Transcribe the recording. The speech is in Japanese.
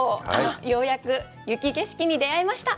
ようやく雪景色に出会えました。